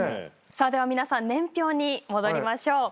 さあでは皆さん年表に戻りましょう。